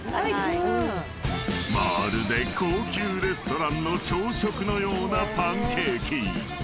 ［まるで高級レストランの朝食のようなパンケーキ］